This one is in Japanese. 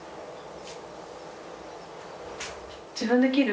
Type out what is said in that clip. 自分で切る？